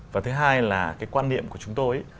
và thứ hai là cái quan niệm của chúng tôi